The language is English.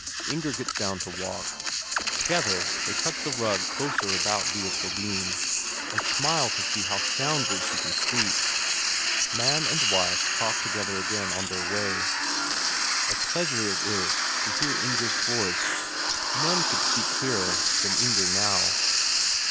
Inger gets down to walk. Together they tuck the rug closer about Leopoldine, and smile to see how soundly she can sleep. Man and wife talk together again on their way. A pleasure it is to hear Inger's voice; none could speak clearer than Inger now.